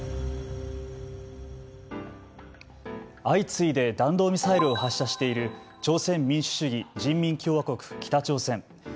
相次いで弾道ミサイルを発射している朝鮮民主主義人民共和国、北朝鮮。